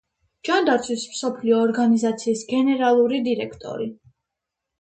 ჯანდაცვის მსოფლიო ორგანიზაციის გენერალური დირექტორი.